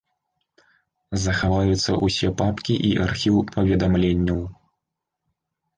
Захаваюцца ўсе папкі і архіў паведамленняў.